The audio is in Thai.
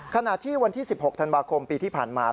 ขณะที่วันที่๑๖ธันวาคมปีที่ผ่านมา